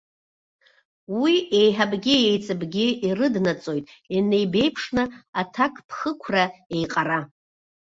Уи еиҳабгьы-еиҵыбгьы ирыднаҵоит инеибеиԥшны аҭакԥхықәра еиҟара.